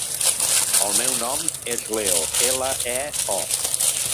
El meu nom és Leo: ela, e, o.